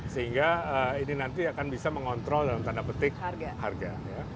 sehingga ini nanti akan bisa mengontrol dalam tanda petik harga